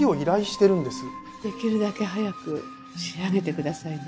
できるだけ早く仕上げてくださいね。